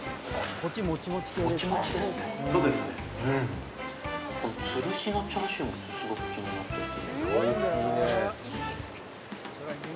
この吊るしのチャーシューもすごく気になってて。